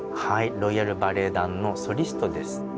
ロイヤル・バレエ団のソリストです。